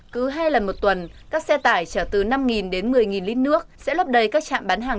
cứ hai lần một tuần các xe tải chở từ năm đến một mươi lít nước sẽ lấp đầy các trạm bán hàng